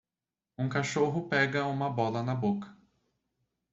Um cachorro pega uma bola na boca.